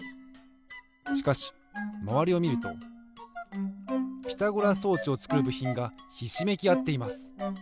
しかしまわりをみるとピタゴラ装置をつくるぶひんがひしめきあっています。